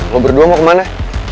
lo berdua mau kemana